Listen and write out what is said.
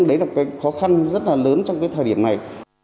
đấy là cái khó khăn rất là lớn trong cái thời điểm này